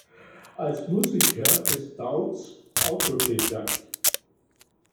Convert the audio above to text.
Als Musiker ist Downes Autodidakt.